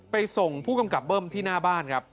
ไปส่งผู้กำกับเบิ้มที่หน้าบ้านครับ